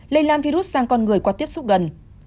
lây lan virus sang con người qua tiếp xúc gần